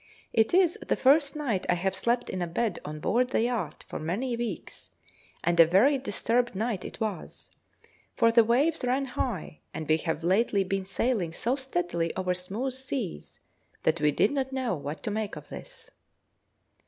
It is the first night I have slept in a bed on board the yacht for many weeks, and a very disturbed night it was, for the waves ran high, and we have lately been sailing so steadily over smooth seas, that we did not know what to make of this.